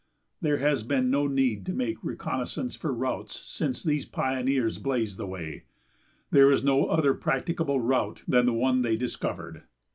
There has been no need to make reconnoissance for routes since these pioneers blazed the way: there is no other practicable route than the one they discovered.